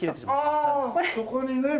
ああそこにね。